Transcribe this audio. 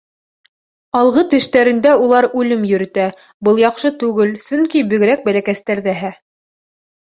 Алғы тештәрендә улар үлем йөрөтә, был яҡшы түгел, сөнки бигерәк бәләкәстәр ҙәһә.